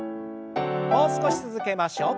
もう少し続けましょう。